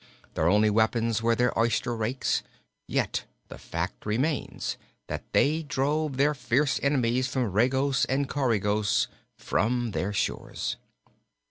Their only weapons were their oyster rakes; yet the fact remains that they drove their fierce enemies from Regos and Coregos from their shores.